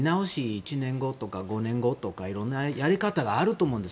１年後とか５年後とかいろんなやり方があると思うんです。